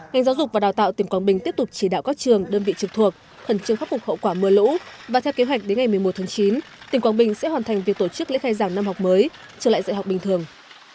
ngành giáo dục và đào tạo tỉnh quảng bình tiếp tục chỉ đạo các trường đơn vị trực thuộc khẩn trương khắc phục hậu quả mưa lũ và theo kế hoạch đến ngày một mươi một tháng chín tỉnh quảng bình sẽ hoàn thành việc tổ chức lễ khai giảng năm học mới trở lại dạy học bình thường